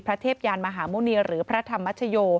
พระเทพยานมหาโมเนียหรือพระธรรมมัชโย